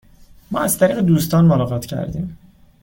ما از طریق دوستان ملاقات کردیم.